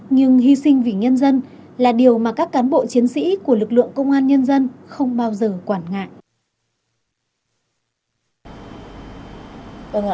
nhưng hy sinh vì nhân dân là điều mà các cán bộ chiến sĩ của lực lượng công an nhân dân không bao giờ quản ngại